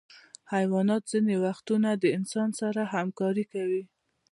حیوانات ځینې وختونه د انسان سره همکاري کوي.